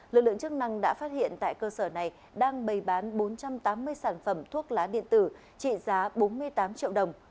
lực lượng chức năng đã phát hiện tại cơ sở này đang bày bán bốn trăm tám mươi sản phẩm thuốc lá điện tử trị giá bốn mươi tám triệu đồng